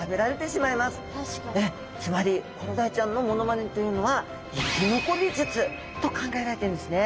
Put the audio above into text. つまりコロダイちゃんのモノマネというのは生き残り術と考えられているんですね。